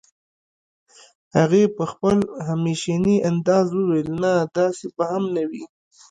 هغې په خپل همېشني انداز وويل نه داسې به هم نه وي